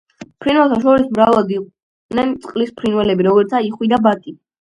ფრინველთა შორის მრავლად იყვნენ წყლის ფრინველები, როგორიცაა იხვი და ბატი.